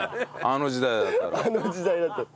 あの時代だったら。